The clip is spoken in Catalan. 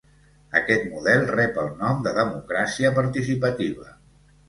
Aquest model rep el nom de democràcia participativa.